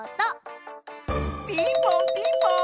ピンポンピンポーン！